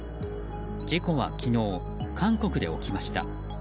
事故は昨日、韓国で起きました。